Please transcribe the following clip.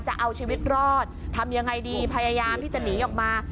จะเอาชีวิตรอดทำยังไงดีพยายามที่จะหนีออกมา